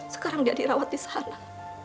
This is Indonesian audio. sekarang dia dirawat disana